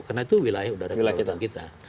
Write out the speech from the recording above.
karena itu wilayah udara kedaulatan kita